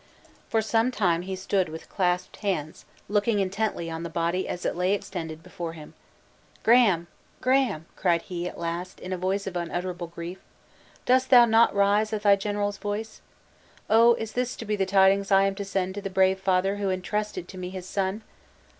For some time he stood with clasped hands, looking intently on the body as it lay extended before him. "Graham! Graham!" cried he, at last, in a voice of unutterable grief; "dost thou not rise at thy general's voice? Oh! is this to be the tidings I am to send to the brave father who intrusted to me his son?